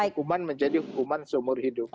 hukuman menjadi hukuman seumur hidup